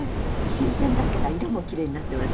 新鮮だから色もきれいになってますね。